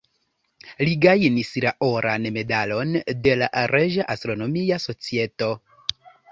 Li gajnis la Oran Medalon de la Reĝa Astronomia Societo.